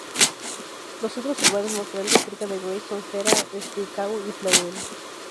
Los centros urbanos más grandes cerca de "Greiz" son Gera, Zwickau y Plauen.